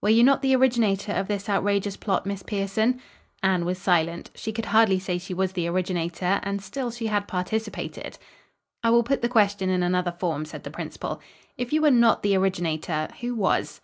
"Were you not the originator of this outrageous plot, Miss Pierson?" Anne was silent. She could hardly say she was the originator and still she had participated. "I will put the question in another form," said the principal. "If you were not the originator, who was?"